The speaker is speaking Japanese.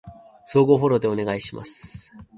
相互フォローでお願いします